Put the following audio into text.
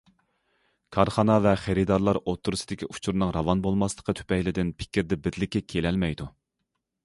كارخانا ۋە خېرىدارلار ئوتتۇرىسىدىكى ئۇچۇرنىڭ راۋان بولماسلىقى تۈپەيلىدىن پىكىردە بىرلىككە كېلەلمەيدۇ.